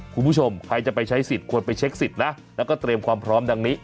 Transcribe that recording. คุณผู้ชมใครจะไปใช้สิทธิ์ควรไปเช็คสิทธิ์นะแล้วก็เตรียมความพร้อมดังนี้